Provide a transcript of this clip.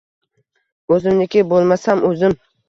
O‘zimniki bo‘lmasam o‘zim.